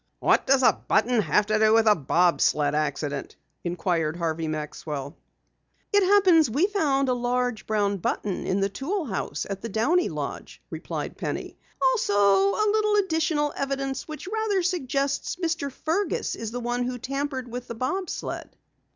"What does a button have to do with the bob sled accident?" inquired Harvey Maxwell. "It happens that we found a large brown button in the tool house at the Downey lodge," replied Penny. "Also a little additional evidence which rather suggests Mr. Fergus is the one who tampered with the bob sled."